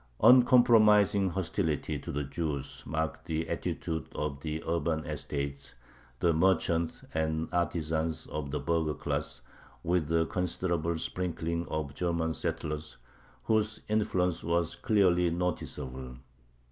Uncompromising hostility to the Jews marked the attitude of the urban estates, the merchants and artisans of the burgher class, with a considerable sprinkling of German settlers, whose influence was clearly noticeable.